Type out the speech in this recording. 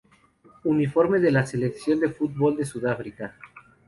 Uniforme de la selección de fútbol de Sudáfrica